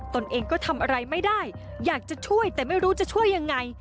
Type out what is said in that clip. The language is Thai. ตนเองก็ทำอะไรไม่ได้อยากจะช่วยแต่ไม่รู้จะช่วยยังไง